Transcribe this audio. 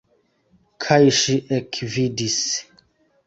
Kaj ŝi ekvidis.